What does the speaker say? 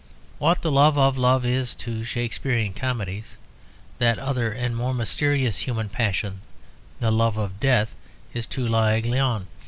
What the love of love is to the Shakespearean comedies, that other and more mysterious human passion, the love of death, is to "L'Aiglon."